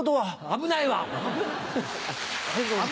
危ないわ。